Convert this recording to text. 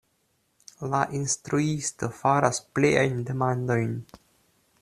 La instruisto faras pliajn demandojn: